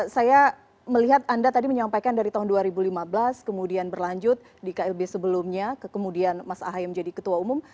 saya melihat anda tadi menyampaikan dari tahun dua ribu lima belas kemudian berlanjut di klb sebelumnya kemudian mas ahy menjadi ketua umum